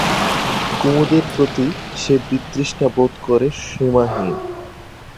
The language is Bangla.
কুমুদের প্রতি সে বিতৃষ্ণা বোধ করে সীমাহীন।